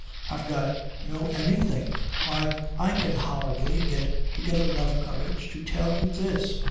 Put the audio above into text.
I've got no anything. Why, I can hardly get together enough courage to tell you this.